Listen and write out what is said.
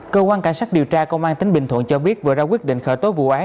cơ quan cảnh sát điều tra công an tỉnh bình thuận cho biết vừa ra quyết định khởi tố vụ án